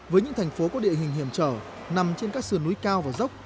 với những thành phố có địa hình hiểm trở nằm trên các sườn núi cao và dốc